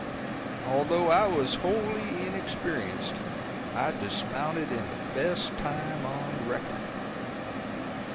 Although I was wholly inexperienced, I dismounted in the best time on record.